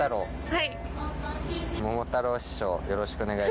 はい。